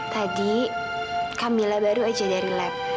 tadi camilla baru aja dari lab